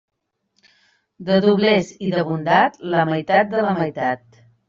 De doblers i de bondat, la meitat de la meitat.